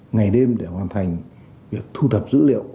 ngày đêm để hoàn thành việc thu thập dữ liệu